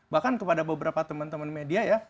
bahkan kepada beberapa teman teman media ya